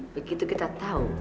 begitu kita tahu